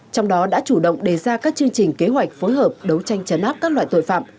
trong đó đã chủ động đề ra các chương trình kế hoạch phối hợp đấu tranh chấn áp các loại tội phạm